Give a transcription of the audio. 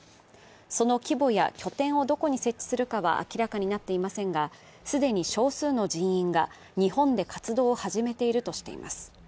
その規模や拠点をどこに設置するかは明らかになっていませんが、既に少数の人員が日本で活動を始めているとしています。